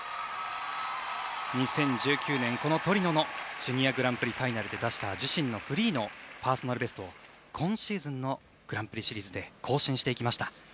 ２０１９年、このトリノのジュニアのグランプリファイナルで出した自身のフリーのパーソナルベストを今シーズンのグランプリシリーズで更新してきました。